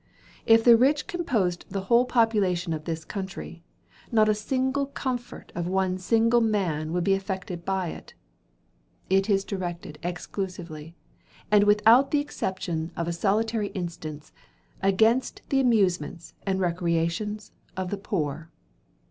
If the rich composed the whole population of this country, not a single comfort of one single man would be affected by it. It is directed exclusively, and without the exception of a solitary instance, against the amusements and recreations of the poor.